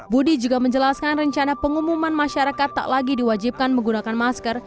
budi juga menjelaskan rencana pengumuman masyarakat tak lagi diwajibkan menggunakan masker